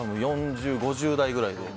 ４０、５０代くらいの。